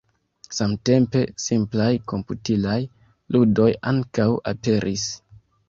Samtempe, simplaj komputilaj ludoj ankaŭ aperis.